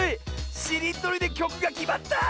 しりとりできょくがきまった！